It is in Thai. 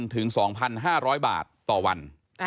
ถึง๒๕๐๐บาทต่อวัน